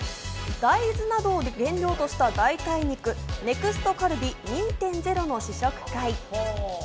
大豆などを原料とした代替肉ＮＥＸＴカルビ２．０の試食会。